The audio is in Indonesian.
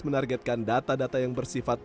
menargetkan data data yang bersifat